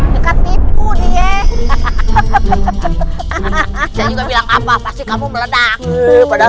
dekat tipu nih ya